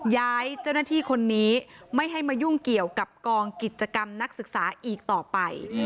ย้ายเจ้าหน้าที่คนนี้ไม่ให้มายุ่งเกี่ยวกับกองกิจกรรมนักศึกษาอีกต่อไป